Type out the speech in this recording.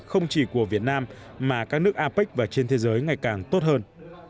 không chỉ của việt nam mà các nước apec và trên thế giới ngày càng tốt hơn